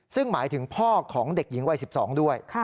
ซึ่งหมายถึงพ่อของเด็กหญิงวัย๑๒ด้วย